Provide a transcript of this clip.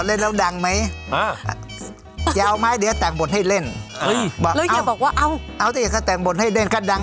เล่นงานมาดีเร่งของเฮียเขา